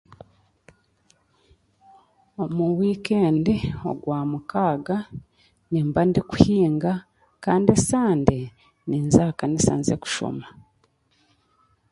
Omu wiikendi, ogwamukaaga, nimba ndi kukuhinga, kandi esande, ninza aha kanisa nze kushoma.